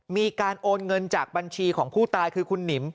มีการโอนเงินจากบัญชีของผู้ตายคือคุณหนิม